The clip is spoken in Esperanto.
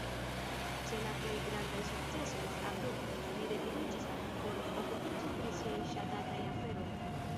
Ĉe la plej grandaj sukcesoj, abrupte, li retiriĝis por okupiĝi pri siaj ŝatataj aferoj.